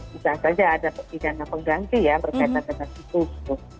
bisa saja ada persidangan pengganti ya berkaitan dengan istitusi